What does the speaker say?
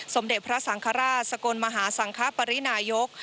สมเด็จพระสังฆราชสกลมหาสังคปรินายก